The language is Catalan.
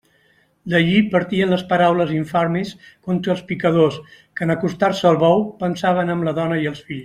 D'allí partien les paraules infames contra els picadors que en acostar-se al bou pensaven en la dona i els fills.